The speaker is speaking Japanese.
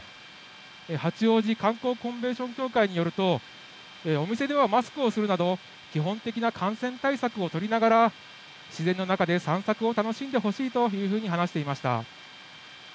八王子観光コンベンション協会によりますと、お店ではマスクをするなど、基本的な感染対策を取りながら、自然の中で散策を楽しんでほしいというふうに話していました。